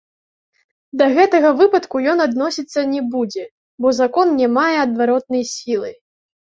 Да гэтага выпадку ён адносіцца не будзе, бо закон не мае адваротнай сілы.